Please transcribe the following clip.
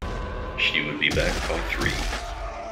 She would be back by three.